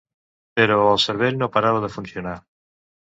Però el cervell no parava de funcionar.